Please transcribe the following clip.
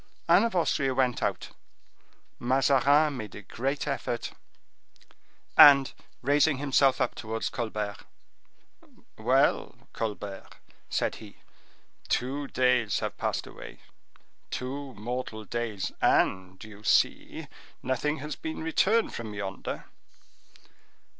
Anne of Austria went out; Mazarin made a great effort, and, raising himself up towards Colbert: "Well, Colbert," said he, "two days have passed away—two mortal days—and, you see, nothing has been returned from yonder."